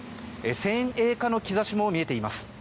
先鋭化の兆しも見えています。